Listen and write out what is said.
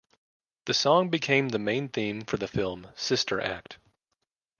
The song became the main theme for the film, "Sister Act".